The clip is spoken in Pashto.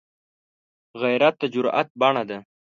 غیرت د جرئت بڼه ده